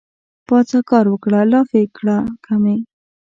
پاڅه کار وکړه لافې کړه کمې